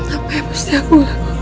apa yang mesti aku lakukan